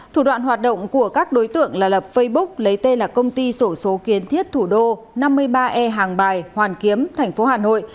thủ đoạn hoạt động của các đối tượng là lập facebook lấy tên là công ty sổ số kiến thiết thủ đô năm mươi ba e hàng bài hoàn kiếm thành phố hà nội